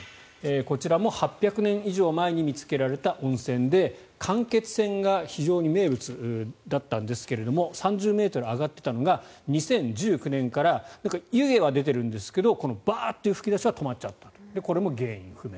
こちらも８００年以上前に見つけられた温泉で間欠泉が非常に名物だったんですが３０ｍ上がっていたのが２０１９年から湯気は出ているんですがバーッという噴き出しは止まったこれも原因不明。